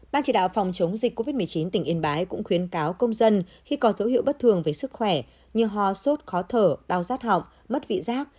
ban chỉ đạo phòng chống dịch covid một mươi chín tỉnh yên bái cũng khuyến cáo công dân khi có dấu hiệu bất thường về sức khỏe như ho sốt khó thở đau rát họng mất vị giác